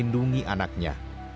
dan melindungi anaknya